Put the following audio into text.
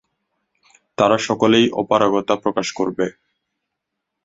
তারা সকলেই অপারগতা প্রকাশ করবে।